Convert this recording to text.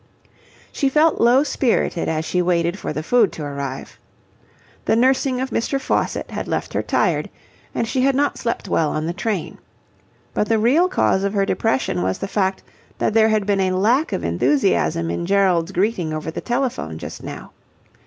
She felt low spirited as she waited for the food to arrive. The nursing of Mr. Faucitt had left her tired, and she had not slept well on the train. But the real cause of her depression was the fact that there had been a lack of enthusiasm in Gerald's greeting over the telephone just now.